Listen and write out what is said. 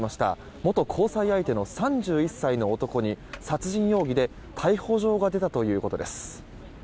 元交際相手の３１歳の男に殺人容疑で逮捕状が出たということです。